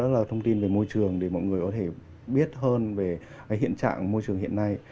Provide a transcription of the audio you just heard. đó là thông tin về môi trường để mọi người có thể biết hơn về hiện trạng môi trường hiện nay